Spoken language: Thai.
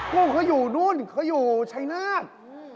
กุ้งเขาอยู่โนนู่นเขาอยู่ชายนาคน